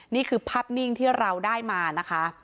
นี่คือภาพนิ่งที่เราได้มานะคะ